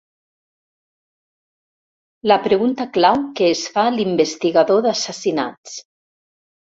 La pregunta clau que es fa l'investigador d'assassinats.